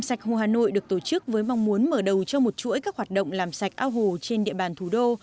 sạch hồ hà nội được tổ chức với mong muốn mở đầu cho một chuỗi các hoạt động làm sạch ao hồ trên địa bàn thủ đô